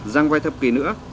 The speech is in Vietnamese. rằng vai thập kỷ nữa